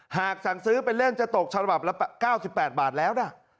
หากสั่งซื้อเป็นเรื่องจะตกฉบับละ๙๘บาทแล้วนะ